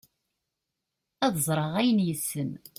ad ẓreɣ ayen yessen